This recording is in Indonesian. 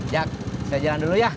ya saya jalan dulu ya